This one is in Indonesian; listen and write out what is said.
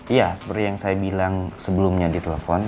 iya seperti yang saya bilang sebelumnya di telepon